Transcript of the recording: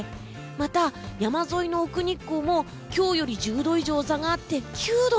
また、山沿いの奥日光も今日より１０度以上下がって９度！